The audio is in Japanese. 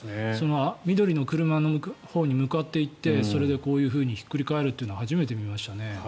緑の車のほうに向かっていってそれでこういうふうにひっくり返るっていうのは初めて見ましたね。